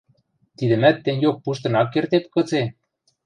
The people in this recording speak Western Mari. Тидӹмӓт тенгеок пуштын ак кердеп гыце?